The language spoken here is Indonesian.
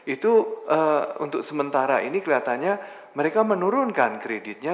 itu untuk sementara ini kelihatannya mereka menurunkan kreditnya